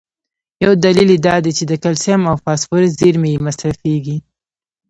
یو دلیل یې دا دی چې د کلسیم او فاسفورس زیرمي یې مصرفېږي.